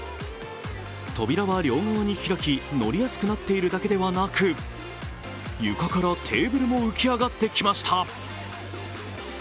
扉は両側に開き乗りやすくなっているだけではなく床からテーブルも浮き上がってきました。